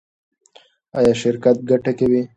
ایا شرکت ګټه کوي؟